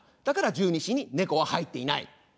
だから十二支にネコは入っていない。